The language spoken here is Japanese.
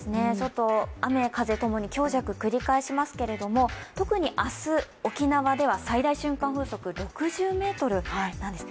雨風ともに強弱繰り返しますけれども、特に明日、沖縄では最大瞬間風速６０メートルなんです